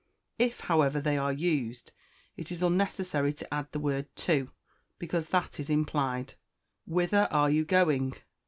If, however, they are used, it is unnecessary to add the word to, because that is implied "Whither are you going?"